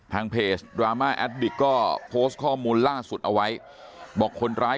เพจดราม่าแอดดิกก็โพสต์ข้อมูลล่าสุดเอาไว้บอกคนร้าย